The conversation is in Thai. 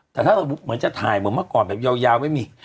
แต่ถ้าเราเหมือนจะถ่ายเหมือนเมื่อก่อนแบบยาวไม่มี